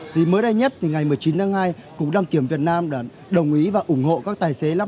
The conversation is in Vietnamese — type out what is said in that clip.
thì mới đây nhất thì ngày một mươi chín tháng hai cục đăng kiểm việt nam đã đồng ý và ủng hộ các tài xế